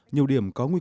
nhiều điểm có nguy cơ